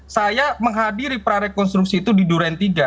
saya menghadiri prarekonstruksi itu di duren tiga